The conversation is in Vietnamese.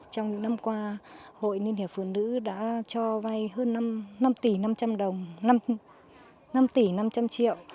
trong những năm qua hội niên hiệp phụ nữ đã cho vay hơn năm tỷ năm trăm linh triệu